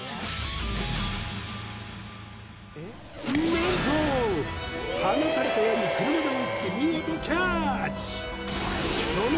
何と放たれた矢に車で追いつき見事キャッチ！